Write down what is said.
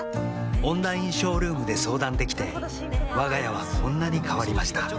オンラインショールームで相談できてわが家はこんなに変わりました